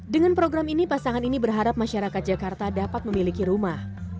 dengan program ini pasangan ini berharap masyarakat jakarta dapat memiliki rumah